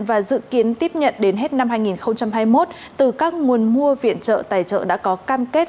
và dự kiến tiếp nhận đến hết năm hai nghìn hai mươi một từ các nguồn mua viện trợ tài trợ đã có cam kết